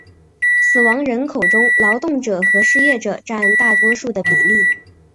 死亡人口中劳动者和失业者占大多数的比例。